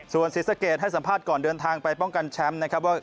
ส่วนศรีสะเกดให้สัมภาษณ์ก่อนเดินทางไปป้องกันแชมป์นะครับว่า